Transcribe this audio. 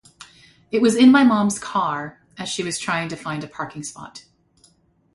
I was in my mom’s car as she was trying find a parking spot.